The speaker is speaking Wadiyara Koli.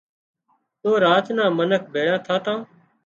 تو راچ نان منک ڀيۯان ٿاتان